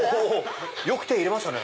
よく手入れましたね。